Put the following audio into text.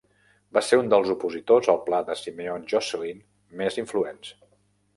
Va ser un dels opositors al pla de Simeon Jocelyn més influents.